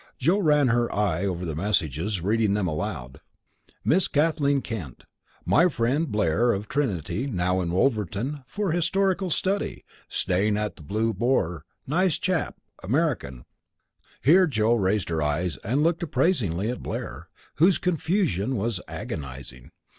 Joe ran her eye over the messages, reading them aloud. "Miss Kathleen Kent: "_My friend Blair of Trinity now in Wolverhampton for historical study staying at Blue Boar nice chap American _" Here Joe raised her eyes and looked appraisingly at Blair, whose confusion was agonizing.